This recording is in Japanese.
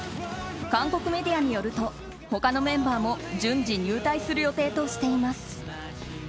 韓国メディアによると他のメンバーも順次入隊する予定としています。